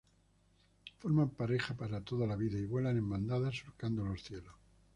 Forman pareja para toda la vida y vuelan en bandadas surcando los cielos.